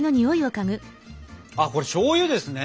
あっこれしょうゆですね？